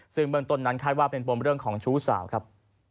ซึ่งเมืองต้นนั้นคาดว่าเป็นปมเรื่องของชู้สาวครับ